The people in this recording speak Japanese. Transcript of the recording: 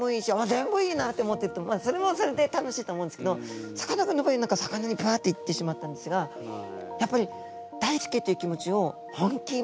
全部いいな！」って思ってるとそれもそれで楽しいと思うんですけどさかなクンの場合何か魚にばっと行ってしまったんですがやっぱり大好きっていう気持ちを本気モードに持ったりとか。